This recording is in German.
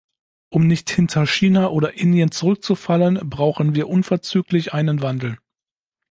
Um nicht hinter China oder Indien zurückzufallen, brauchen wir unverzüglich einen Wandel.